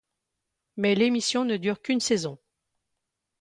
Mais l'émission ne dure qu'une saison.